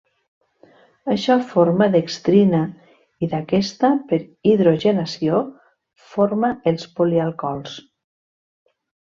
Això forma dextrina i d'aquesta, per hidrogenació, forma els polialcohols.